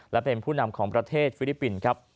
และเป็นผู้นำของประเทศฟิลิปปินส์ครับ